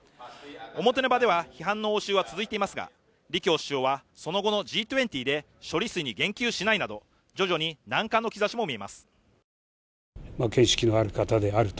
表の場では批判の応酬は続いていますが李強首相はその後のＧ２０で処理水に言及しないなど、徐々に軟化の兆しも見えます。